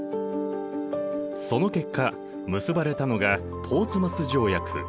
その結果結ばれたのがポーツマス条約。